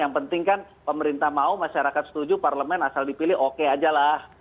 yang penting kan pemerintah mau masyarakat setuju parlemen asal dipilih oke aja lah